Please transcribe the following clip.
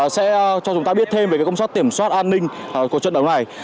sẽ cho chúng ta biết thêm về công suất kiểm soát an ninh của trận đấu này